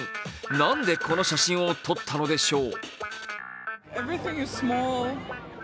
なんでこの写真を撮ったのでしょう。